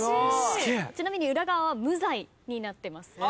ちなみに裏側は「無罪」になってます。